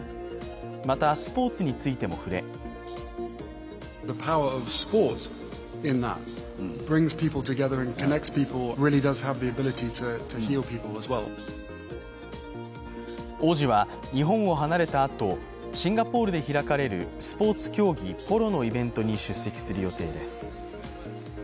また、スポーツについても触れ王子は日本を離れたあとシンガポールで開かれるスポーツ競技、ポロのイベントに出席する予定です。